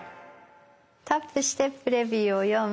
「タップしてプレビューを読む」。